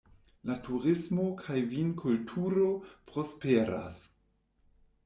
La turismo kaj vinkulturo prosperas.